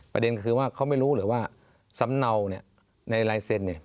ประเด็นคือว่าเขาไม่รู้เหรอว่าสำเนาในลายเซ็นต์